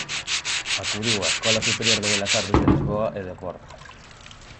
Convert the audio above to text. Acudiu á escola superior de Belas Artes de Lisboa e de Porto.